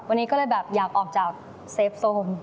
วันนี้ก็เลยแบบอยากออกจากเซฟโซน